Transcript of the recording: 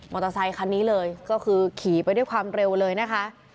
อเตอร์ไซคันนี้เลยก็คือขี่ไปด้วยความเร็วเลยนะคะ